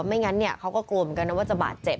ไม่งั้นเนี่ยเขาก็โกรธเหมือนกันนะว่าจะบาดเจ็บ